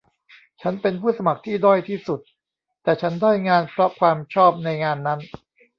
ฉันเป็นผู้สมัครที่ด้อยที่สุด แต่ฉันได้งานเพราะความชอบในงานนั้น